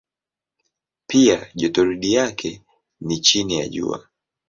Pia jotoridi yake ni chini ya Jua.